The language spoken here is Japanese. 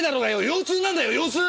腰痛なんだよ腰痛！